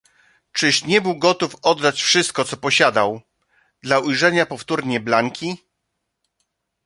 "Czyż nie był gotów oddać wszystko co posiadał, dla ujrzenia powtórnie Blanki?"